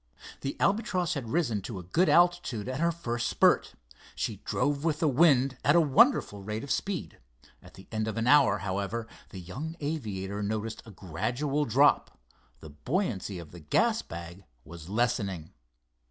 The Albatross had risen to a good altitude at her first spurt. She drove with the wind at a wonderful rate of speed. At the end of an hour, however, the young aviator noticed a gradual drop. The buoyancy of the gas bag was lessening.